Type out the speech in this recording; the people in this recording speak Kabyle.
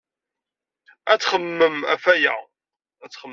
Ad txemmemem ɣef waya.